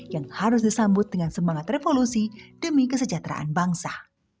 yang harus disambut dengan semangat revolusi demi kesejahteraan bangsa